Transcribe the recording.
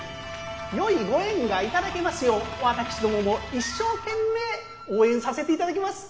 良いご縁がいただけますよう私どもも一生懸命応援させていただきます。